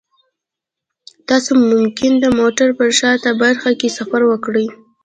تاسو ممکن د موټر په شاته برخه کې سفر وکړئ